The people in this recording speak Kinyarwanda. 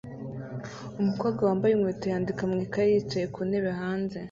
Umukobwa wambaye inkweto yandika mu ikaye yicaye ku ntebe hanze